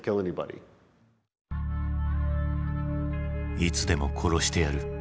「いつでも殺してやる」。